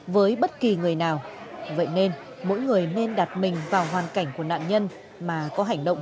với bất kỳ người nào vậy nên mỗi người nên đặt mình vào hoàn cảnh của nạn nhân mà có hành động